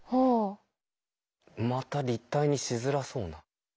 また立体にしづらそうな。